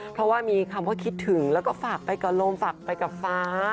เพราะว่ามีคำว่าคิดถึงแล้วก็ฝากไปกับลมฝากไปกับฟ้า